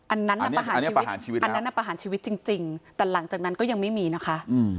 อันนั้นน่ะประหารชีวิตจริงแต่หลังจากนั้นก็ยังไม่มีนะคะ